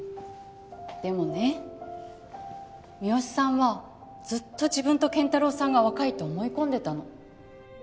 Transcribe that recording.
でもね三吉さんはずっと自分と健太郎さんが若いと思い込んでたの。